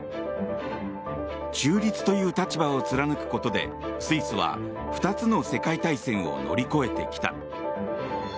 中立という立場を貫くことでスイスは２つの世界大戦を乗り越えてきた。